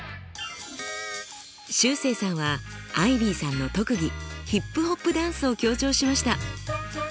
しゅうせいさんはアイビーさんの特技ヒップホップダンスを強調しました。